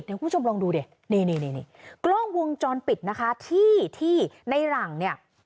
เดี๋ยวคุณผู้ชมลองดูดินี่นี่กล้องวงจรปิดนะคะที่ที่ในหลังเนี่ย